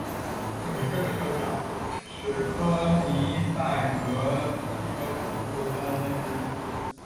正是这个设想使柯尼塞格汽车公司走向了现实。